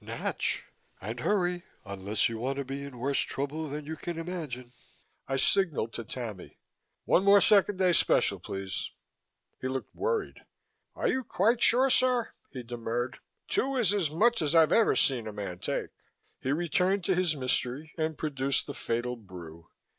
"Natch! And hurry, unless you want to be in worse trouble than you can imagine." I signaled to Tammy. "One more Second Day Special, please." He looked worried. "Are you quite sure, sir," he demurred. "Two is as much as I've ever seen a man take." He returned to his mystery and produced the fatal brew.